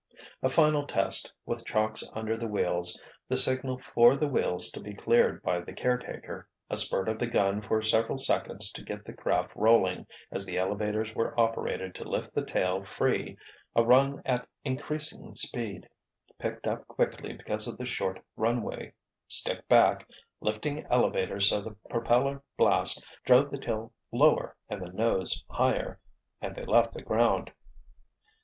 A final test, with chocks under the wheels, the signal for the wheels to be cleared by the caretaker, a spurt of the gun for several seconds to get the craft rolling as the elevators were operated to lift the tail free, a run at increasing speed, picked up quickly because of the short runway—stick back, lifting elevators so the propeller blast drove the tail lower and the nose higher—and they left the ground.